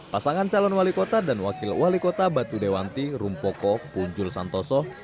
pasangan calon wali kota dan wakil wali kota batu dewanti rumpoko punjul santoso